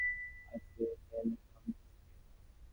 কাজটা হবার হলে সময় ও সুযোগ আসবেই জেন, নইলে আমাদের চেষ্টা বৃথা।